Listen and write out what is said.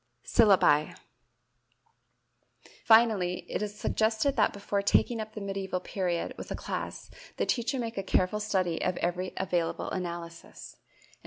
Syllabi. Finally it is suggested that before taking up the medieval period with the class the teacher make a careful study of every available analysis, _e.